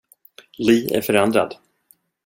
Lee är förändrad.